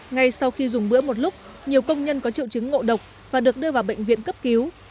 ngay sau khi dùng bữa một lúc nhiều công nhân có triệu chứng ngộ độc và được đưa vào bệnh viện cấp cứu